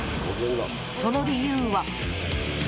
その理由は。